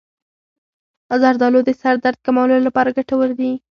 زردآلو د سر درد کمولو لپاره ګټور دي.